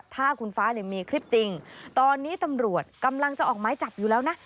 ถ้าคุณฟ้ามีคลิปจริงตอนนี้ตำรวจกำลังจะออกไม้จับอยู่แล้วนะ